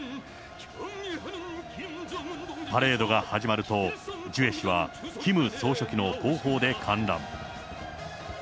パレードが始まると、ジュエ氏はキム総書記の後方で観覧。